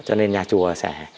cho nên nhà chùa sẽ